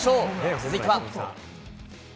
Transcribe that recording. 続いては。